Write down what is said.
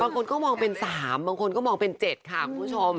บางคนก็มองเป็น๓บางคนก็มองเป็น๗ค่ะคุณผู้ชม